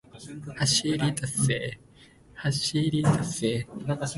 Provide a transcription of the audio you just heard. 走りだせ、走りだせ、明日を迎えに行こう